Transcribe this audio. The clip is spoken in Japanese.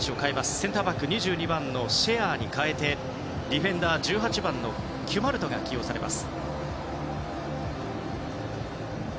センターバック、２２番のシェアに代えてディフェンダー、１８番のキュマルトが起用されます。